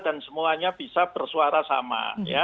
dan semuanya bisa bersuara sama